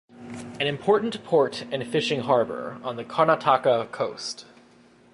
An important port and fishing harbor on the Karnataka coast.